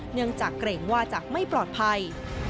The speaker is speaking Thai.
เนื่องจากเกรงว่าจะไม่ปลอดภัย